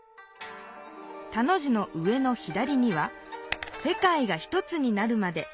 田の字の上の左には「世界がひとつになるまで」。